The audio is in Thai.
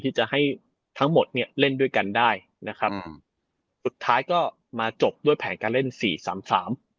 ที่จะให้ทั้งหมดเนี่ยเล่นด้วยกันได้นะครับอืมสุดท้ายก็มาจบด้วยแผนการเล่นสี่สามสาม